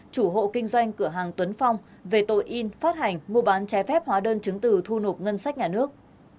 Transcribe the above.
chủ hộ kinh doanh cửa hàng tuấn phong về tội in phát hành mua bán trái phép hóa đơn chứng từ thu nộp ngân sách nhà nước